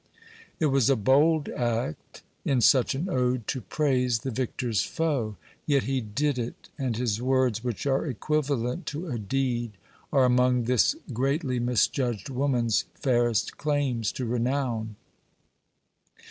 It was a bold act, in such an ode, to praise the victor's foe. Yet he did it, and his words, which are equivalent to a deed, are among this greatly misjudged woman's fairest claims to renown.